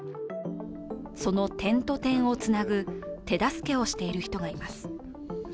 その点と点を繋ぐ手助けをしている人がいます